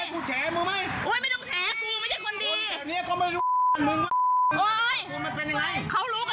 พูดดีกว่าแล้วถามหัวมันด้วยเมื่อเช้า